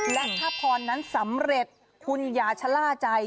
และถ้าพรนั้นสำเร็จคุณอย่าชะล่าใจ